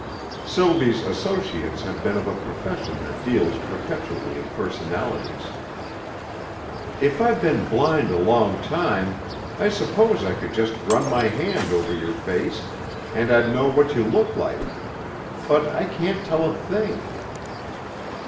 Sylvie's associates had been of a profession that deals perpetually in personalities. "If I'd been blind a long time, I suppose I could just run my hand over your face, and I'd know what you look like. But I can't tell a thing."